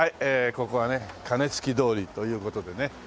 ここはね鐘つき通りという事でね。